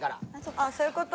ああそういうこと？